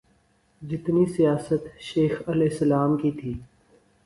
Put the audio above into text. جتنی سیاست شیخ الاسلام کی تھی۔